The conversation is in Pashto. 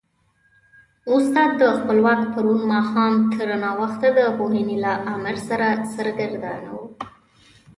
استاد خپلواک پرون ماښام تر ناوخته د پوهنې له امر سره سرګردانه و.